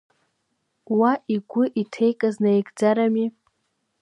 Уа игәы иҭеикыз неигӡарами!